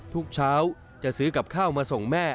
ทุกเช้าจะซื้อกับข้าวมาส่งแม่